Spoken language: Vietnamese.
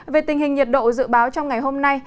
về tình hình nhiệt độ dự báo trong ngày hôm nay